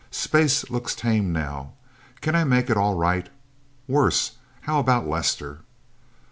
Space looks tame, now. Can I make it all right? Worse _how about Lester?